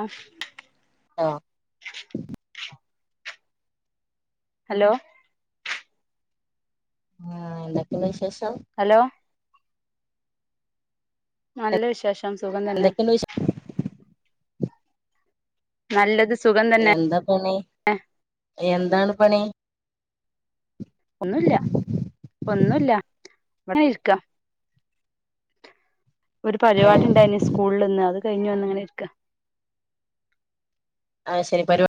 ആ ലോ ഹലോ ആ എന്താക്കിന്ന് വിശേ ഹലോ നല്ല വിശേഷം [unintelligible] സുഖം തന്നെ എന്തൊക്കെണ്ട് വിശേ നല്ലത് സുഖം തന്നെ എന്താ പണി എന്താണ്? പണി ഇല്ല ഇങ്ങനെരിക്ക ഒരു ഏ പരിവാടി ഇണ്ടായിന്ന് സ്കൂൾ ല് ഇന്ന് അത് കഴിഞ്ഞുവന്നിങ്ങനെരിക്കാ അത്ശരി പരി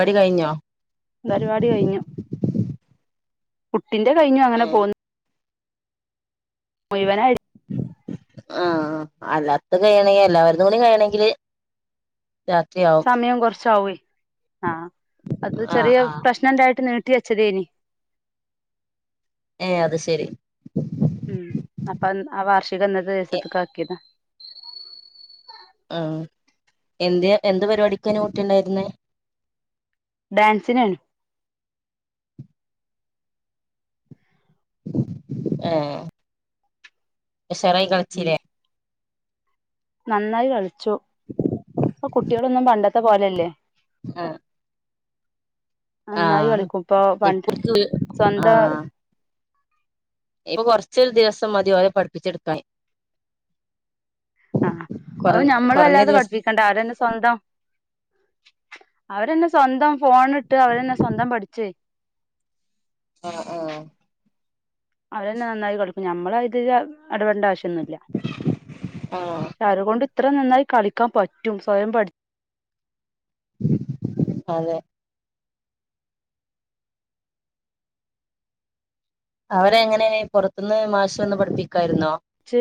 വാടി കയിഞ്ഞോ പരിവാടി കഴിഞ്ഞു ട്ടിൻ്റെ കയ്ഞു അങ്ങനെ ഏ പോന്ന് മുയിവനായ് ആഹ് അല്ലാതും കയ്യണെങ്കി എല്ലാവര്തൂടിം കയ്യണെങ്കില് സമയം കൊറച്ചാവൊയ് ആ അത് ആ ചെറിയ ആ പ്രശ്ണണ്ടായിട്ട് നീ ട്ടി വെച്ചതേനി ഏ അത് ശരി ഉം അപ്പ ആ വാർഷികം ഇന്നന്നെ എ ദിവസത്ത്കാക്കിയേതാ ആ എന്ത് എന്ത് പരിവാടിക്കേനു കുട്ടിണ്ടായിര്ന്ന് ഡാൻസിനേണ് ഏ ഉശാറായി ഉം കളിച്ചിലേ നന്നായി കളി ച്ചു ഇപ്പ കു ട്ട്യേളൊന്നും പണ്ടത്തെ പോലെല്ലെ ആ ആ നന്നായി കളിക്കും പ്പൊ പണ്ട് ഇപ്പക്ക് സ്വന്ത ആ ഇപ്പൊ കൊർച്ചൊരു ദിവസം മതി ഓലെ പടിപിചെട്കാന് ആഹ് അവും ഞമ്മള് വല്ലാതെ ദിവസം പടിപ്പിക്കണ്ട അതന്നെ സ്വന്തം അവരെന്നെ സ്വന്തം ഫോണ് ട്ട് അവരെന്നെ സ്വന്തം പട്ചെ ആ ആ അതെന്നെ നന്നായി കളികും ഞമ്മളതിജെ എടപെടണ്ട ആവിശ്യ ന്നുല്യ ആ ശര്കൊണ്ട് എത്ര നന്നായി കളിക്കാൻ പറ്റും സ്വയം പഠി അതെ അവരെങ്ങനേനി പൊറ്ത് ന്ന് മാഷ് വന്ന് പടിപികായിരുന്നോ ച്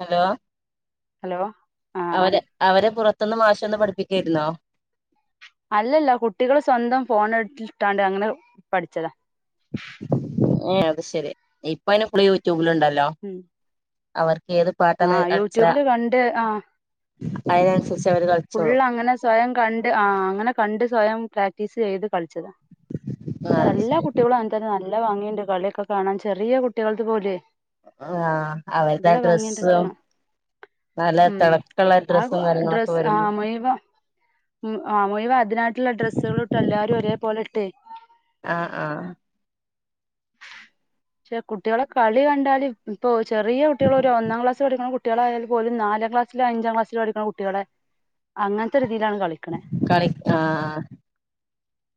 ഹലോ ഹലോ ആഹ് അവരെ അവരെ പുറ ത് ന്ന് മാഷ് വന്ന് പടിപികേയിരുന്നോ അല്ലല്ല കുട്ടികള് സ്വന്തം ഫോണ് ട്ടാണ്ട് അങ്ങനെ പടിചതാ ഏ അത്ശരി ഇപ്പൈന് പ്പളും യൂറ്റൂബിലണ്ടാ ഉം അവർ ഏത് പാട്ടാന്ന് ആഹ് അടിച്ച യൂട്യൂബില് അയിനൻസരി ഫുൾ അങ്ങനെ സ്വയം കണ്ട് ആ അങ്ങനെ കണ്ട് സ്വയം പ്രാക്ടീസ് ചെയ്ത് കളി ആ ച്ചതാ എല്ലാ കുട്ടികളും അങ്ങനെ തന്നെ കാണി ഇന്നലെ വാങ്ങിയിണ്ട് കളിയൊക്കെ കാണാൻ ചെറിയ കുട്ടികൾത് പോലു ആ അവര്ടെ ആ ഡ്രസ്സും കാണാൻ നല്ല ഉം തിളക്കള്ള ആ ഡ്രസ്സും കാര്യങ്ങളൊക്കെ വെരു ഡ്രസ്സ് ആ മുഴുവം ആ മുഴുവൻ അതിനായിട്ട്ള്ള ഡ്രസ്സുകളു ഇട്ട് എല്ലാരു ഒരേ പോലെ ഇട്ട് ആ ആ പഷെ കുട്ടിളെ കളി കണ്ടാല് ഇപ്പ ചെറിയ കുട്ടികൾ ഒരു ഒന്നാം ക്ലാസ് പഠിക്ക്ണ കുട്ടികളായാൽ പോലും നാലാം ക്ലാസ്സില അഞ്ചാം ക്ലാസ്സില പഠിക്ക്ണകുട്ടിളെ അങ്ങൻത്തെര് കളി ആ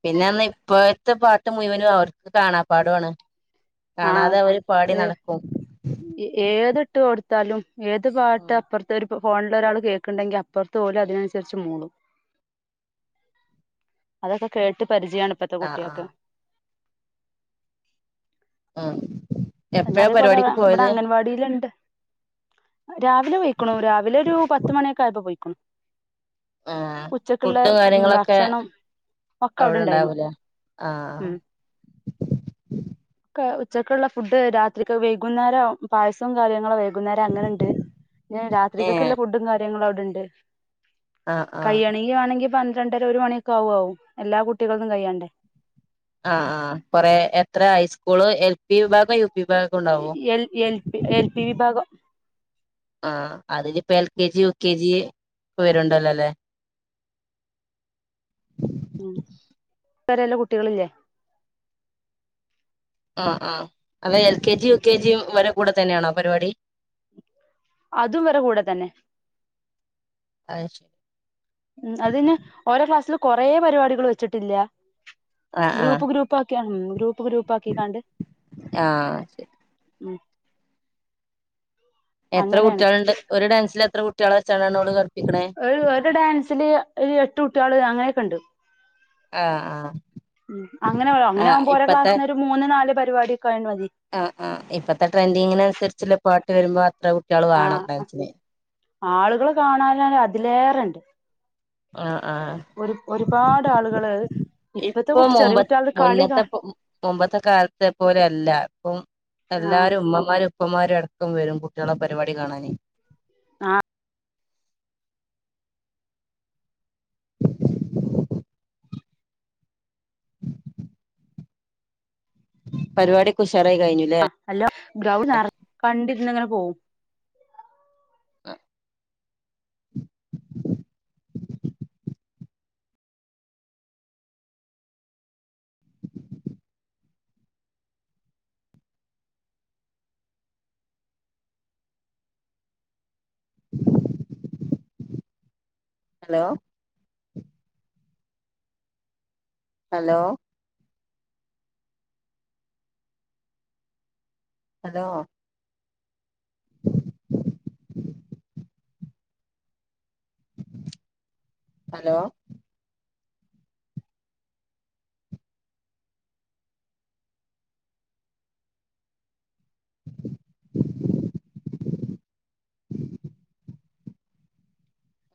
പിന്നെർഞ്ഞ ഇപ്പൊ ത്തെ പാട്ട് മുഴുവനും അവർക്ക് കാണാപാടൊണ് ആ കാണാതെ ഓര് പാടി നടക്കും ഇട്ട് കൊടുത്താലും ഏത് പാട്ട് അപ്പൊർത്തെ ഒരു ഫോണില ഒരാൾ കേൾക്കണ്ടെങ്കിൽ അപ്പുറത്ത് പോലും അതിനനുസരിച്ച് മൂളും അതൊക്കെ കേട്ട പരിചയമാണ് ഇപ്പത്തെ ആഹ് കുട്ടിയൾക്ക് ആഹ് ആഹ അ അതേപോലെ ഇവിടെ അംഗൻവാടിലിണ്ട് രാവിലെ പോയിക്കണു രാവിലെ ഒരു പത്ത മണിയൊക്കെ ആയപ്പോൾ പോയിക്കണു. ആ ഉച്ചക്കുള്ള ഫുഡും ഉം, കാര്യങ്ങളൊക്കെ ഭക്ഷണം ഒക്കെ അവിടെ ഉണ്ടായിരുന്നു അവിടെണ്ടാവൂലേ ആഹ ഉം ഉച്ചക്കുള്ള ഫുഡ് രാത്രിക്കെ വൈകുന്നേരം പായസവും കാര്യങ്ങള കുന്നേരം അങ്ങനെയുണ്ട് ഏഹ് രാത്രികൾക്കുള്ള ഫുഡും കാര്യ രണ്ട് ആഹ് ആഹ് കയ്യണെങ്കി വേണെങ്കി പ രണ്ടര ഒരു മണിയൊക്കെ ആകും എല്ലാ കുട്ടികളന്നും കഴ്യാണ്ടേ ആ ആ കൊറ എത്ര ഹൈസ്കൂള് എ L L P L P വിഭാഗം ആഹ അതില് ഇപ്പോ L K G U K G വരുണ്ടല്ലോല്ലേ ഉം വേരെല്ലാം കുട്ടികളില്ലേ ആഹ ആഹ അവ L K G U K ജിയും വരെ കൂടെ തന്നെയാണോ പരിപാടി അതും വരെ കൂടെ തന്നെ [unintelligible] ഉം അതിന് ഓരോ ക്ലാസ്സിലും കൊറെ പരിപാടികൾ വെച്ചിട്ടില്ല ആഹ് ആഹ് ഗ്രൂപ്പ് ഗ്രൂപ്പ് ആക്കി [unintelligible] ഗ്രൂപ്പാക്കി കാണ്ട് ആഹ് ശരി ഉം എത്ര അങ്ങനെയാണ് കുട്ടികളുണ്ട് ഒരു ഡാൻസിൽ എത്ര കുട്ട് കുട്ടിയാളെ [unintelligible] ഒരു ഒരു ഡാൻസില് രു എട്ട് കുട്ടികള് അങ്ങനെയൊക്കെ ഉണ്ട് ആ ആ ഉം അങ്ങനെ അങ്ങനെയാകുമ്പോ ഓരോ ക്ലാസിന്ന് ഒരു മൂന്ന് നാല് പെൺ [unintelligible] ആ ആ ഇപ്പത്തെ ട്രെൻഡിങ്ങിന് അനുസരിച്ച് [unintelligible] പാട്ട് വരുമ്പ ത്ര കുട്ടികള് വാണം [unintelligible] ആളുകള് കാണാന് അതിലേറെണ്ട് ആ ആ ഒരു ഒരുപാട് ആളുകള് ഇപ്പത്തെ ഇപ്പൊ കു ചെറിയ മുമ്പ കുട്ടികളുടെ കളി കാ മുന്നത്തെ മുമ്പത്തെ കാലത്തെ പോലെ അല്ല ഇപ്പം ആ എല്ലാരും ഉമ്മമാരും അപ്പംമാര് അടക്കം വരും കുട്ടികളെ പരിപാടി കാണാന് ആ പരിപാടി കുശ് ആ അല്ല ഗ്രൗണ്ട് നർ കണ്ടിരുന്നങ്ങനെ പോവും ഹലോ ഹലോ ഹലോ ഹലോ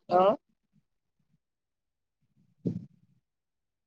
ഓ